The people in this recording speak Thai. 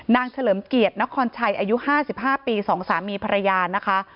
เฉลิมเกียรตินครชัยอายุ๕๕ปี๒สามีภรรยานะคะ